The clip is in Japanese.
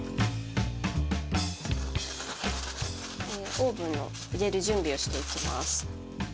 オーブンに入れる準備をしていきます。